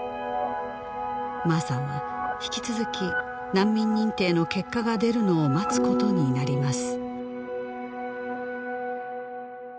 マーさんは引き続き難民認定の結果が出るのを待つことになります